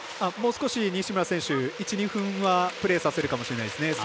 もう少し西村選手１２分はプレーさせるかもしれないですね。